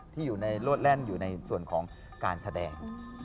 ที่อยู่ในโลดแล่นอยู่ในส่วนของการแสดง